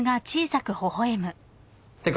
ってか